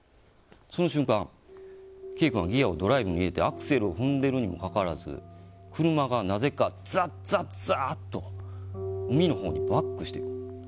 その瞬間、Ｋ君はギアもドライブも入れてアクセルを踏んでるにもかかわらず車がなぜか、ざっざっざと海のほうにバックしていく。